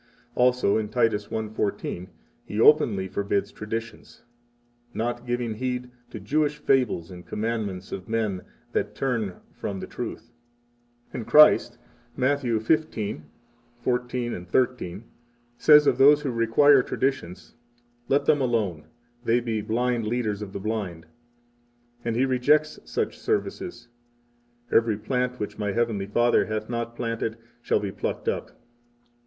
46 Also in Titus 1:14 he openly forbids traditions: Not giving heed to Jewish fables and commandments of men that turn from the truth. 47 And Christ, Matt. 15:14,13, says of those who require traditions: Let them alone; they be blind leaders of the blind; 48 and He rejects such services: Every plant which My heavenly Father hath not planted shall be plucked up.